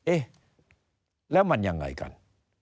เอ๊ะแล้วมันยังไงกัน